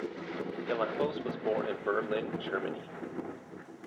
Galambos was born in Berlin, Germany.